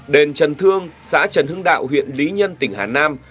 đền trần thương xã trần hưng đạo huyện lý nhân tỉnh hà nam